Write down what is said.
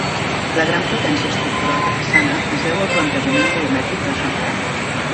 La gran potència estructural de façana es deu al plantejament volumètric del xamfrà.